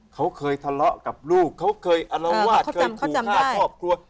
เขาเคยทะเลาะกับลูกเขาเคยอารวาสเคยขู่ฆ่าครอบครัว